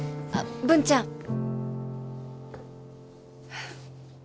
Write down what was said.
あっ文ちゃん。